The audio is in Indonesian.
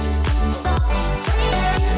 oke kita peliting ya